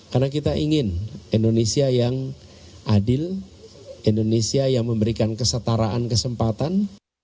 karena kita ingin indonesia yang adil indonesia yang memberikan kesetaraan kesempatan